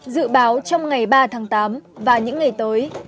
dự báo trong ngày ba tháng tám và những ngày tới